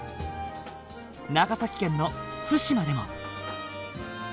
長崎県の対馬でも。